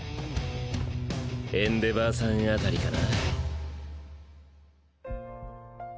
エンデヴァーさんあたりかな